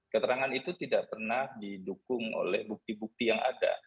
keterangan itu tidak pernah didukung oleh bukti bukti yang ada